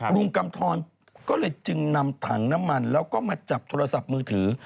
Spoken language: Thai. กำทรก็เลยจึงนำถังน้ำมันแล้วก็มาจับโทรศัพท์มือถือ